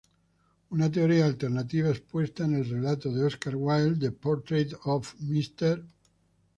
Una teoría alternativa, expuesta en el relato de Óscar Wilde "The Portrait of Mr.